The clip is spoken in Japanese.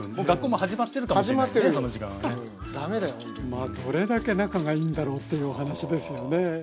まあどれだけ仲がいいんだろうっていうお話ですよね。